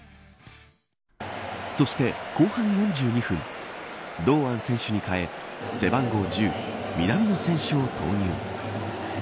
そして、後半４２分堂安選手に代え背番号１０、南野選手を投入。